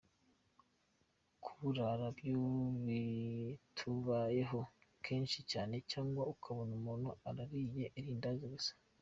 Kuburara byo bitubayeho kenshi cyane cyangwa ukabona umuntu arariye irindazi gusa.